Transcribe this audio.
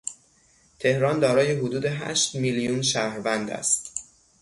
تهران دارای حدود هشت میلیون شهروند است.